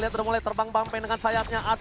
lihat udah mulai terbang bang pen dengan sayapnya ars